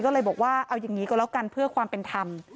ก็เลยบอกว่าเอาอย่างนี้ก็แล้วกันเพื่อความเป็นธรรม